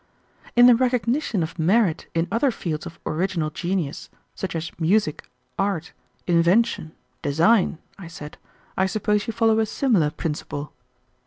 "In the recognition of merit in other fields of original genius, such as music, art, invention, design," I said, "I suppose you follow a similar principle."